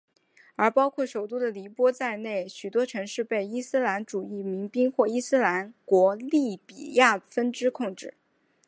而包括首都的黎波里在内的许多城市被伊斯兰主义民兵或伊斯兰国利比亚分支控制。